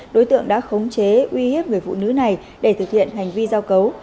đối tượng đã khống chế uy hiếp người phụ nữ này để thực hiện hành vi giao cấu